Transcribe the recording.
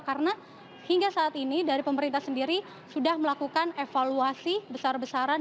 karena hingga saat ini dari pemerintah sendiri sudah melakukan evaluasi besar besaran